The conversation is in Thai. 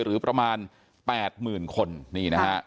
หรือประมาณ๘๐๐๐คน